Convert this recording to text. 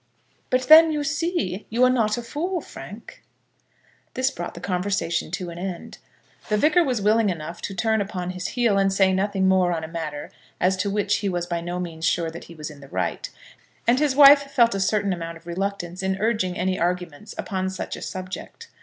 "But then, you see, you are not a fool, Frank." This brought the conversation to an end. The Vicar was willing enough to turn upon his heel and say nothing more on a matter as to which he was by no means sure that he was in the right; and his wife felt a certain amount of reluctance in urging any arguments upon such a subject.